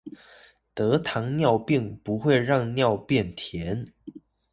得糖尿病不會讓尿變甜